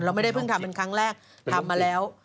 ไม่ได้เพิ่งทำเป็นครั้งแรกทำมาแล้ว